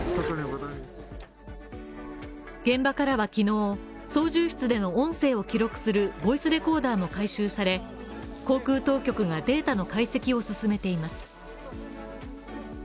現場からは昨日、操縦室での音声を記録するボイスレコーダーも回収され、航空当局がデータの解析を進めています。